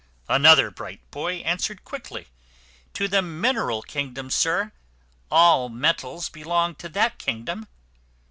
Another bright boy answered quick ly, "To the min er al kingdom, sir! All metals belong to that kingdom."